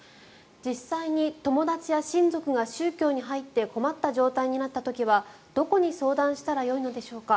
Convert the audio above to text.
実際に友達や親族が宗教に入って困った状態になった時はどこに相談したらよいのでしょうか。